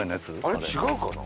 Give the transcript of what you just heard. あれ違うかな？